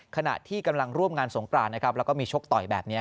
ขณะที่กำลังร่วมงานสงกรานและมีชกต่อยแบบนี้